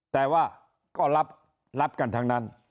แต่ว่าก็รับกันทั้งนั้น